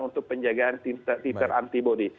untuk penjagaan titer antibody